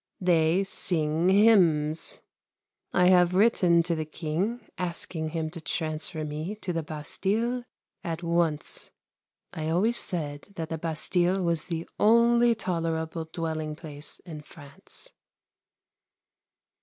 They sing hymns. I have written to the King asking him to transfer me to the Bastille at once. I always said that the Bastille was the only tolerable dwelling place in France.